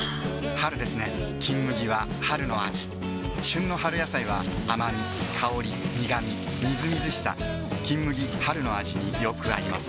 春ですね「金麦」は春の味旬の春野菜は甘み香り苦みみずみずしさ「金麦」春の味によく合います